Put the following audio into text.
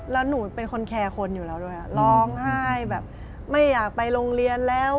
แล้วหนูเป็นคนแคร์คนอยู่แล้วด้วยร้องไห้แบบไม่อยากไปโรงเรียนแล้ว